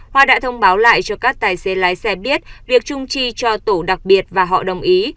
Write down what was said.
hoa đã thông báo lại cho các tài xế lái xe biết việc trung chi cho tổ đặc biệt và họ đồng ý